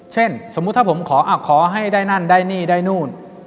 สมมุติถ้าผมขอขอให้ได้นั่นได้นี่ได้นู่น